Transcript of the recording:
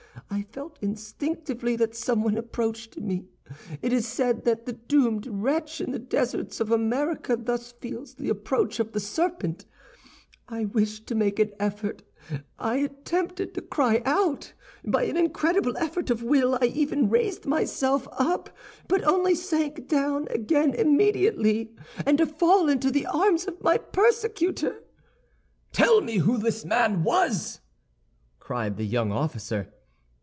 "I felt instinctively that someone approached me; it is said that the doomed wretch in the deserts of America thus feels the approach of the serpent. "I wished to make an effort; I attempted to cry out. By an incredible effort of will I even raised myself up, but only to sink down again immediately, and to fall into the arms of my persecutor." "Tell me who this man was!" cried the young officer.